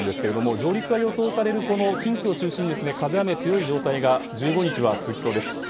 上陸が予想される近畿を中心に風と雨が強い状態が１５日は続きそうです。